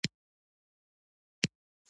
خوب د وینې فشار برابروي